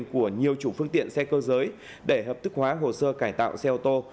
của nhiều chủ phương tiện xe cơ giới để hợp thức hóa hồ sơ cải tạo xe ô tô